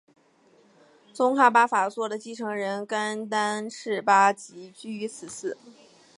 宗喀巴法座的继承人甘丹赤巴即居于此寺。